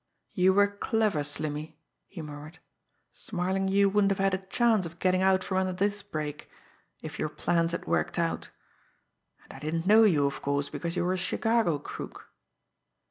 "You were clever, Slimmy!" he murmured. "Smarlinghue wouldn't have had a chance of getting out from under this break if your plans had worked out! And I didn't know you, of course, because you were a Chicago crook."